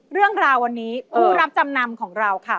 เรื่องราววันนี้ผู้รับจำนำของเราค่ะ